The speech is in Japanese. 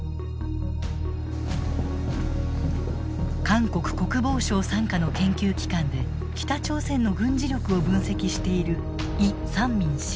韓国国防省傘下の研究機関で北朝鮮の軍事力を分析しているイ・サンミン氏。